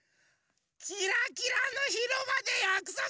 キラキラのひろばでやくそくしてたんだ！